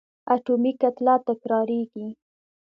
اتومي کتله تکرارېږي.